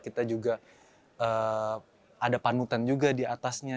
kita juga ada panutan juga di atasnya